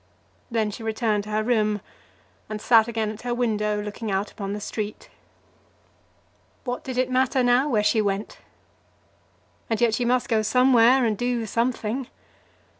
Then she returned to her room and sat again at her window, looking out upon the street. What did it matter now where she went? And yet she must go somewhere, and do something.